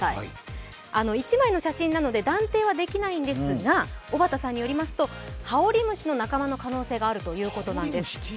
１枚の写真なので断定はできないのですが、小幡さんによりますとハオリムシの仲間の可能性があるそうです。